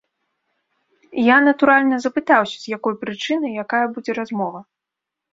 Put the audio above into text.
Я, натуральна, запытаўся, з якой прычыны, якая будзе размова.